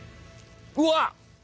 うわっ！